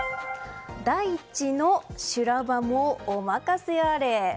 大地の修羅場もお任せあれ。